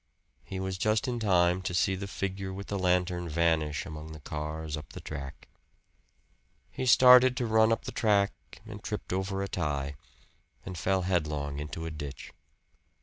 He was just in time to see the figure with the lantern vanish among the cars up the track. He started to run up the track and tripped over a tie and fell headlong into a ditch.